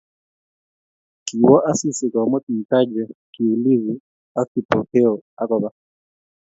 Kiwo Asisi komut mtaje, kiulizi ak Kipokeo akoba